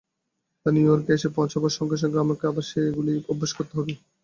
তাঁর নিউ ইয়র্কে এসে পৌঁছবার সঙ্গে সঙ্গে আমাকে আবার সেগুলি অভ্যাস করতে হবে।